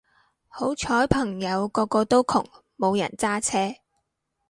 好彩朋友個個都窮冇人揸車